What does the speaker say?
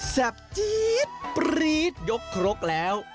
จี๊ดปรี๊ดยกครกแล้ว